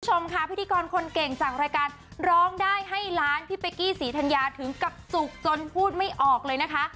คุณผู้ชมค่ะพิธีกรคนเก่งจากรายการร้องได้ให้ล้านพี่เป๊กกี้ศรีธัญญาถึงกับสุขจนพูดไม่ออกเลยนะคะ